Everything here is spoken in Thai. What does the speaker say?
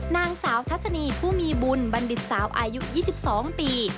นางสาวทัศนีผู้มีบุญบัณฑิตสาวอายุ๒๒ปี